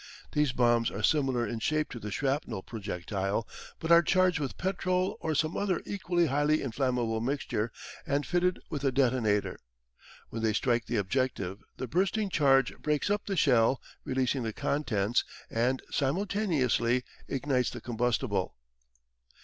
These bombs are similar in shape to the shrapnel projectile, but are charged with petrol or some other equally highly inflammable mixture, and fitted with a detonator. When they strike the objective the bursting charge breaks up the shell, releasing the contents, and simultaneously ignites the combustible.